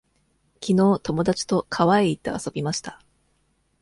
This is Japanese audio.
きのう友達と川へ行って、遊びました。